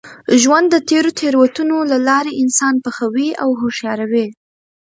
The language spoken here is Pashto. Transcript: ژوند د تېرو تېروتنو له لاري انسان پخوي او هوښیاروي.